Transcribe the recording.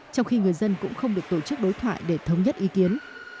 trong khi người dân cũng không được tổ chức đối thoại để thống nhất ý kiến